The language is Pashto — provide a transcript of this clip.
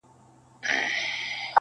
چي ښکاري موږکان ټوله و لیدله,